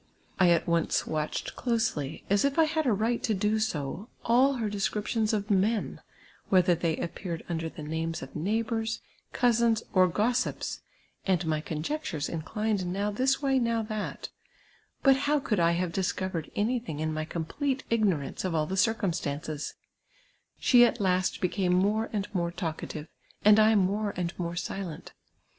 I at once watched closely, as it' I had a right to do so, all her descriptions of men, whether they ajipeared under the names of neighbours, cousins, or gossips, and my conjectures inclined now this way, now that ; but how could I have dis covered anything in my complete ignorance of all the circum stances } She at last became more and more talkative, and I more and more silent.